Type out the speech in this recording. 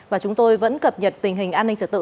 và chúng tôi vẫn cập nhật tình hình an ninh trật tự